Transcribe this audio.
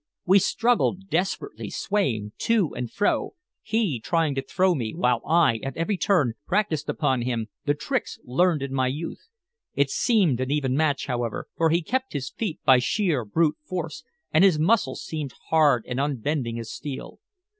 We struggled desperately, swaying to and fro, he trying to throw me, while I, at every turn, practiced upon him the tricks learned in my youth. It seemed an even match, however, for he kept his feet by sheer brute force, and his muscles seemed hard and unbending as steel.